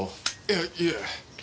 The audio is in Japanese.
いやいえ。